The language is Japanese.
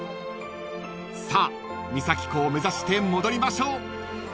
［さあ三崎港目指して戻りましょう］